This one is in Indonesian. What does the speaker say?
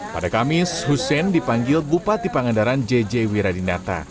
pada kamis hussein dipanggil bupati pangadaran j j wiradinata